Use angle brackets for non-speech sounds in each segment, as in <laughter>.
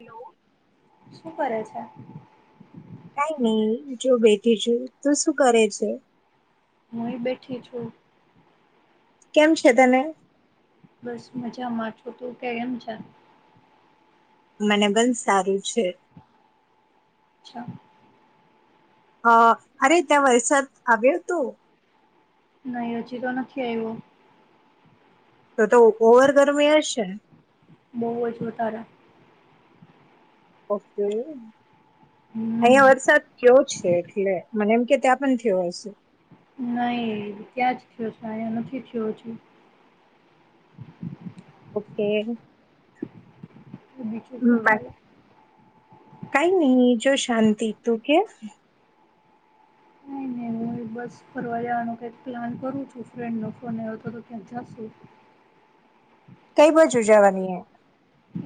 Hello શું કરે છે. કઈ નહી જો બેઠી છુ તું શું કરે છે. હુંય બેઠી છું. કેમ છે તને બસ મજામાં છો તું કેમ છે. મને પણ સારું છે અચ્છા હ અરે ત્યાં વરસાદ આવ્યો હતો. નહી હજીી તો નથી આવ્યો. તો તો ઓવર ગરમી હશે. બોઉ જ વધારે ઓકે અહિયા હમ્મ વરસાદ થયો છે એટલે મને એમ કે ત્યા પણ થયો હશે. નહી ક્યાં જ થયો છે આયા નથી થયો હજુ ઓકે બીજું શું ચાલે? કઈ નિ જો શાંતી દીતુ કે નહી નહી હું બસ ફરવા જવાનું કક પ્લાન કરું છું ફ્રેન્ડ ન ફોન ક્યાક જશું. કઈ બાજ ઉજાવાની એ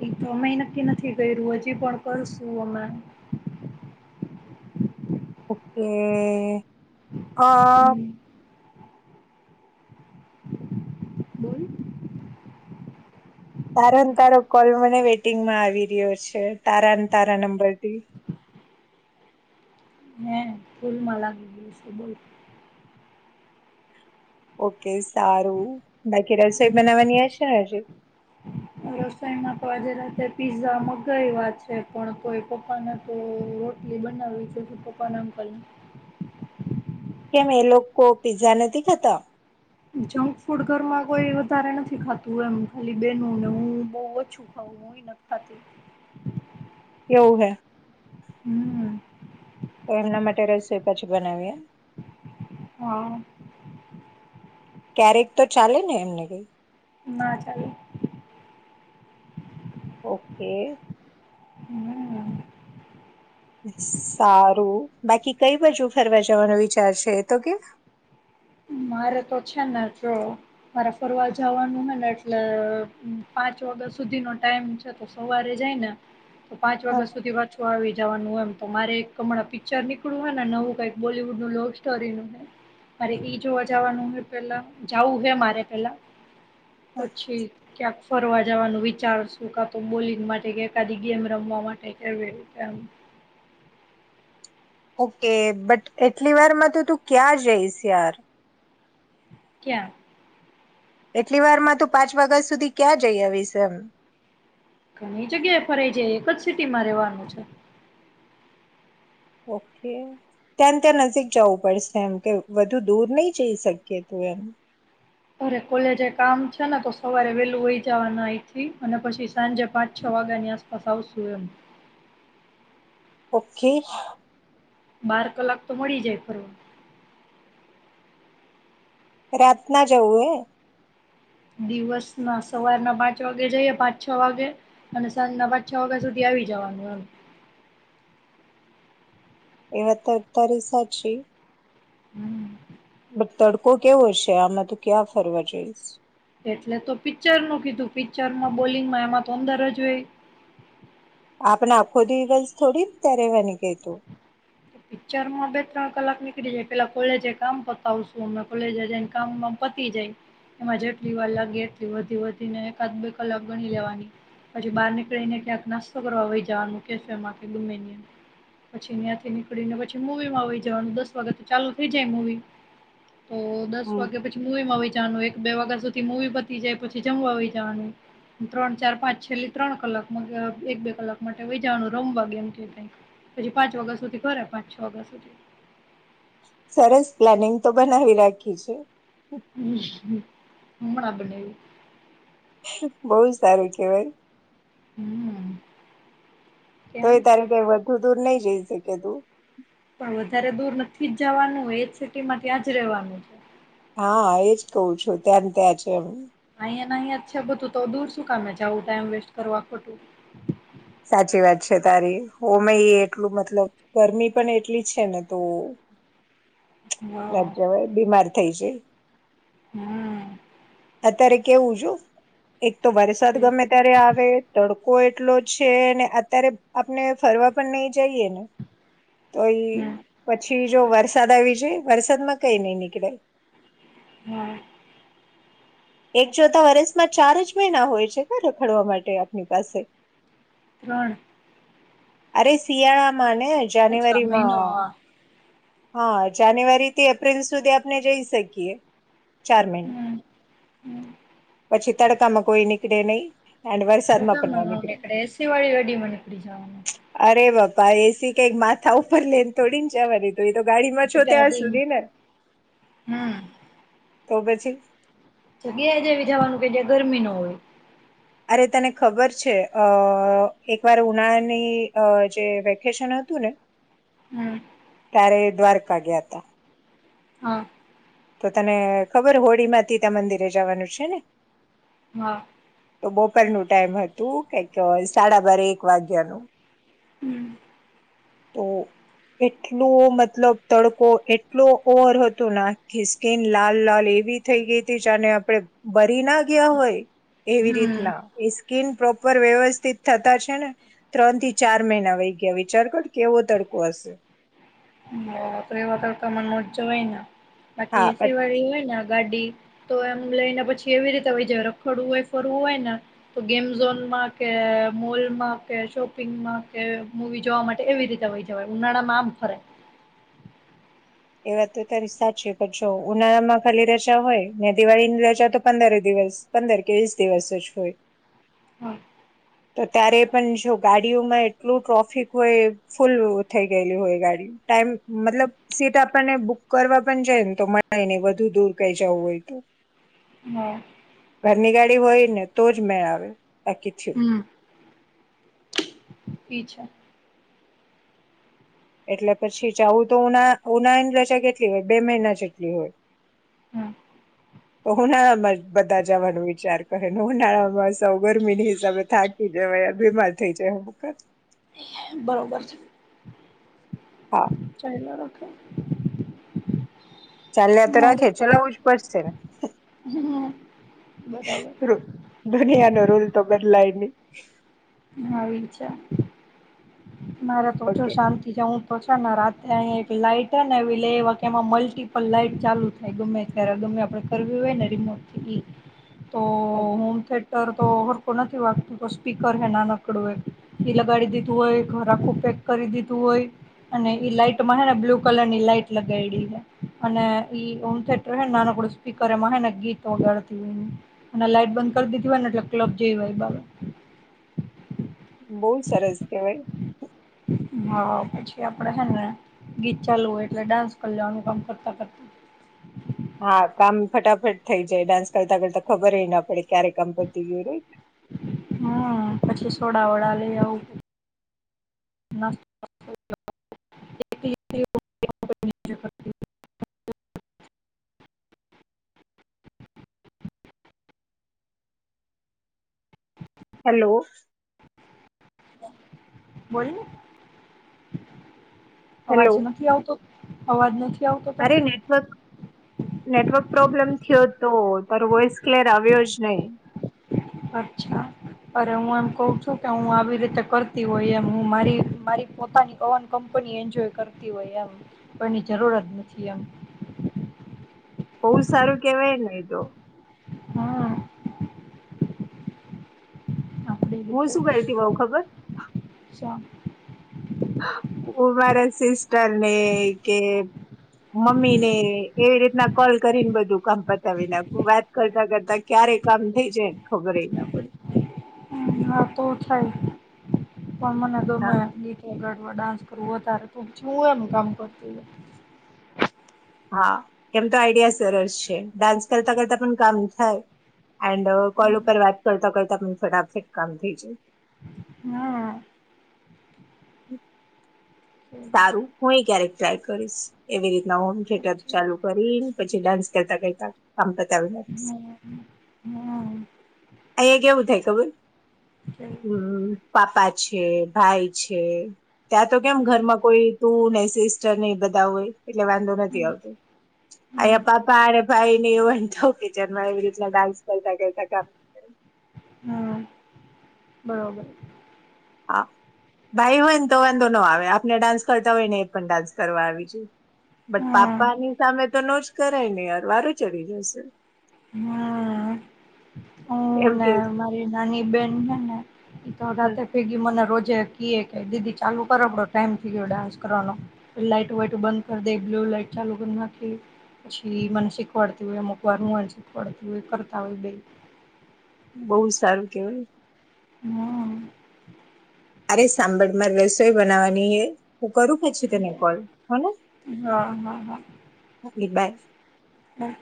એ તો અમે નક્કી નથી કર્યું હજી પણ કરશું અમા ઓકે હ હમ, બોલ તારા ને તારો કોલ મને વેઇટિંગમાં આવી રહ્યો છે તારાને તારા નંબરથી ફૂલ મલા ગ છે બલ ઓકે સારું બાકી રસોઈ બનાવવાની હશે ને હજુ રસોઈમાં તો આજે રાતે પીઝા મગાવ વા છે પણ કોઈ પપ્પાને તો રોટલી બનાવીવી છે કે પપ્પાને અંકલ કેમ એ લોકો કો પિઝા નથી ખાતા જંક ફૂડ ઘરમાં કોઈ વધારે નથી ખાતું એમ ખાલી બેનને હું બહ ઓછું ખાવું હોય નથી ખાતી કેવું હે હમ એમના માટે રસીપ પછી બનાવીએ હા ક્યારેક તો ચાલે ને એમને કઈ? ના ચાલે. ઓકે. હમ્મ. સારું. બાકી કઈ બાજુ ફરવા જવાનો વિચાર છે એ તો કે? મારે તો છેને જો મારે ફરવા જવાનું હે ને એટલે પાંચ વાગ્યા સુધીનો ટાઈમ છે તો સવારે જાય ને તો પાંચ હા, વાગ્યા સુધી પાછું આવી જવાનું એમ તો મારે એક હમણાં પિક્ચર નીકળ્યું હોય ને નવું કઈક બોલીવુડ નું લવ સ્ટોરીનું હે મારે એઈ જોવા જવાનું પેલા જાવું હે મારે પેલા હા. પછી ક્યા ફરવા જવાનું વિચારશું કા તો બોલી માટે કદી ગેમ રમવા માટે કેવી રીતે ઓકે બટ એટલી વારમાં તો તું ક્યાં જઈશ યાર? ક્યાં? એટલી વારમાં તું પાંચ વાગ્યા સુધી ક્યાં જઈ આવીશ એમ ઘણી જગ્યાએ ફરાઈ જાય, એક જ સિટીમાં રહેેવાનું છે. ઓકે ત્યાં ત્યાં નજીક જવું પડશે એમ કે વધુ દૂર નહી જઈ શકીએ તું એમ અરે કોલેજ એ કામ છે ને તો સવારે વેલું હોય જવાના અહીથી અને પછી સાંજે પાંચ છ વાગ્યાની આસપાસ આવશુ એમ. ઓકે. બાર કલાક તો મળી જાય ફરવા. રાત ના જવું એે દિવસ ના સવારના પાંચ વાગે જઈએ પાંચ છ વાગે અને સાંજના પાંચ છ વાગ્યા સુધી આવી જવાનું એમ. એ વાત તો તારી સાચી. હમ બટ તડકો કેવો હશે. આમાં તું ક્યાં ફરવા જઈશું? એટલે તો પિક્ચર ન કીધું પિક્ચરમાં બોલિંગમાં એમાં તો અંદર જ હોય. આપણા આખો દિવસ થોડી તં રહેવાની ગઈ તું પિક્ચરમાં બે ત્રણ કલાક નીકળી જાય પેલા કોલેજે કામ પતાવશું અમે કોલેજ જને કામ પતી જાય એમાં જેટલી વાર લાગે એટલી વધી વધીને એકાદ બે કલાક ગણી લેવાની પછી બહાર નીકળીને ક્યાંક નાસ્તો કરવા વહી જવાનું કેફમાં કે <unintelligible> કે ગમે પછી ત્યાંથી ને પછી મવીમાં આવીઈ જવાનું દસ વાગે તો ચાલુ થઈ જાય મવી. તો દસ હમ વાગ્યા પછી મુું એમાં વહી જવાનું. એક બે વાગ્યા સુધી મવી બતી જાય પછી જમવા વઈ જવાનું ત્રણ ચાર પાંચ છેલ્લી ત્રણ કલાક એક બે કલાક માટે વઈ જવાનું રમવા ગમ કે પછી પાંચ વાગ્યા સુધી સાડા પાંચ વાગ્યા સુધી. સરસ પ્લાનિંગ તો બનાવી રાખી છે. હમ. હમણાં બનાયવી. બહુ સારું કેવાય. હમ્મ. તો એ તારી કઈ વધુ દૂર નહી? જઈ છેકે તું. પણ વધારે દૂર નથી જ જવાનું એજ સિટી માં ત્યાજ રેવાનું. હા એજ કહું છું ત્યાં ને ત્યાં છે એમ. અહીંયા ના અહિયા જ છે બધું તો દૂર શું કામે જાવું ટાઈમ વેસ્ટ કરવું આ ખોટું. સાચી વાત છે તારી હો. મે એટલું મતલબ ગરમી પણ એટલી છે ને તો ના હા જવાય બીમાર થઈ છે. હમ અત્યારે કેવું છું? એક તો વરસાદ ગમે ત્યારે આવે તડ કો એટલો છે ને અત્યારે આપને ફરવા પણ નહી જઈએ ને તો એ હમ પછી જો વરસાદ આવી જાય. વરસાદમાં કઈ નઈ નીકડાય. હમ્મ. એક જોતા વરસમાં ચાર જ મહિના હોય છે ખ રખડવા માટે આપની પાસે. ત્રણ. અરે સિયાડા અને અચ્છા જાન્યુઆરી મહિનો માં. હા હા જાન્યુઆરીથી એપ્રિલ સુધી આપને જઈ શકીએ. ચાર મહિના, હમ હમ પછી તડકામા કોઈ નીકળે નહી. એન્ડ શું વરસાદમાં કામ પણ ના નો નીકળે નીકડે એસી વાળી ગાડી માં નીકડી જવાનું. આ એસી કઈ માંથા ઉ પર લઈને થોડી જવાની એ તો ગાડીમાં છો ત્યા ગાડી સુધી ને. હમ તો પછી. તો ગ્યા જેવી જવાનું કે જે ગરમી નો હોય. અરે તને ખબર છે અ એકવાર ઉનાળાની અ જે વેકેશન હતું ને હમ્મ. ત્યારે દ્વારકા ગયા તા. હા. તો તને ખબર હોળી માં તીતા મંદિરે જવાનું છે ને. હા. તો બપોરનું ટાઈમ હતું કે કે સાડા બાર એક વાગ્યાનું હમ્મ. તો એટલું મતલબ તડકો એટલો ઓવર હતો ને કે આખી સ્કીન લાલ લાલ એવી થઈ ગઈ તી જાને આપડે બ ડી ના ગ્યા હોય એવી હમ રીતના એ સ્કીન પ્રો પર વ્યવસ્થિત થતા છે ને ત્રણ થી ચાર મહિના વહી ગયા વિચાર કર કેવો તડકો હશે. <inaudible> એવા તડકામા તો ન જવાઈને. બાકી હા એસી બટ વાળી હોય ને ગાડી તો એમ લઈને પછી એવી રીતે વહી જ રખડવું હોય, ફરવું હોય ને તો ગેમ ઝોનમાં કે, મોલમાં કે, શોપિંગમાં કે, મુવી જોવા માટે એવી રીતે વહી જવાય ઉનાળામાં આમ ફરાય. એ વાત તો તારી સાચી પણ જો ઉનાળામાં ખાલી રજા હોય ને દિવાળીની રજા તો પંદરે દિવસ પંદર કે વીસ દિવસ જ હોય હા તો ત્યારે પણ જો ગાડીઓમાં એટલું ટ્રોફિક હોય ફૂલ થઈ ગયેલી હોય ગાડી ટાઈમ મતલબ સીટ આપને બુક કરવા પણ જાય ને તો મળે નઈ વધુ દૂર કઈ જવું હોય તો હા. ઘરની ગાડી હોય ને તો જ મે આવે બાકી થયું. હમ અચ્છા. એટલે પછી જઉું તો ઉ ઉનાની રજા કેટલી હોય બે મહિના જેટલી હોય હમ તો ઉનાળામાં બધા જવાનો વિચાર કરેને ઉનાળામાં સૌ ગરમીની હિસાબે થાકી જવા બીમાર થઈ જાય બરોબર છે હા ચ રાખે ચાલ તો રાખે મારે ચાલ ચલાવવું જ પડશેને હ હમ બરાબર રૂ- દુનિયાનો રૂલ તો બલાય ન હા વિ છે મારે તો જો ઓકે શાંતિ જાઉું તો છે ને રાતે એક લાઈટ ને એ લ એ વા એમાં મલ્ટીપલ લાઈટ ચાલુ થાય ગમે ત્યારે ગમે આપડે કરવી હોયને રિમોટથી તો ઓ તોર નથી વાગતું સ્પીકર હે ના નકડું હોય એ લગાડી દીધું હોય ઘર આખું પેક કરી દીધું હોય અને ઈ લાઈટમાં હેને બ્લુ કલર ની લાઈટ લગાવ અને ઈ ઓમ થયેટર નાનકડું સ્પીકરમાંને ગીત ઓગાડતી હોય અને લાઈટ બંધ કરી દીધી હોયને એટલે ક્લબ જેવી વાઈબ આવે બહુ સરસ કેવાય હા પછી આપડે હેને ગીત ચાલવ એટલે ડાન્સ કરનું કામ કરતા કરતા હા કામ ફટાફટ થઈ જાય ડાન્સ કરતા કરતા ખબર ના પડે ક્યારે કંપતિ ગ્યુરોય હમ પછી સોડા વડા લઈ આવવું હલો બોલ ને અવાજ હેલો નથી આવતો અવાજ નથી આવતો અરે તને નેટવર્ક નેટવર્ક પ્રોબ્લેમ થયો તો તાર વોઇસ ક્લેયર આવ્યો જ નહી અચ્છા અરે હું એમ કઉ છું કે હું આવી રીતે કરતી હોય એમ હું મારી મારી પોતાની કવન કંપની એન્જોય કરતી હોય એમ કોની જરૂરત નથી એમ બહુ સારું કેવાય ને એ તો હા હું રીતે શું કરતી બઉુ ખબર હું મારા સિસ્ટરને કે મમ્મી ને એવી રીતના કોલ કરીને બધું કામ પતાવી નાખું વાત કરતા કરતા ક્યારે કામ થઈ જાયને ખબર ના પડે હા તો થાય હ મને તોમે હા ન ડાન્સ કરવું હો તારે તુંછું એમ કામ કરતી હા કેમ તો આઈડિયા સરસ છે ડાન્સ કરતા કરતા પણ કામ થાય એન્ડ કોલ ઉપર વાત કરતા કરતા પણ ફટાફટ કામ થઈ જાય હમ સારું હું એ ક્યારેક ટ્રાય કરીશ એવી રીતના હોમ થિયેટર ચાલુ કરી પછી ડાન્સ કરતા કરતા કામ બતાવી નાખીશ અ કેવું થાય ખબર હમ પાપા છે ભાઈ છે ત્યાં તો કેમ ઘરમાં કોઈ તું નને સિસ્ટર નને બધા હોય એટલે વાંધો નથી આવતો હા અહીયા પાપા અને ભાઈ ને એવ વાંધતો કચનમાં એવી રીતના ડાન્સ કરતા કરતા કામ હ બરાબર હા ભાઈ હોય ને તો વાંધો ન આવે આપને ડાન્સ કરતા હોય ને એ પણ ડાન્સ કરવા આવી જોઈ બટ હા પાપાની સામે તો ન જ કરાય નહી અર વારું ચડી જશે હા એમ હું ને કે મારી નાની બેન છે ને એ તો હમ, રાતે ફેગી મને રોજ જે કયે કે દીદી ચાલુ કરો ટાઈમ થઈ ગયો ડાન્સ કરવાનો લાાઈટ વાઈટું બંધ કરી દે બ્લુ લાાઈટ ચાલુ કરી નાખી પછી મને શીખવાડતી હોય અમુક વાર હું એને શીખવાડતી હોય કરતા હોય બે બહુ સારું કેવાય. હમ્મ. અરે સાંભળ માર રસોઈ બનાવવાની એ હું કરું પછી તને કોલ હને. હા હા એ બાય. હા.